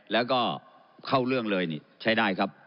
แล้วก็เข้าเรื่องเลยนี่ใช้ได้ครับ